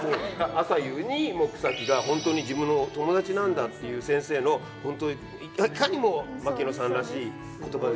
朝夕にもう草木が本当に自分の友達なんだっていう先生の本当いかにも牧野さんらしい言葉ですよね。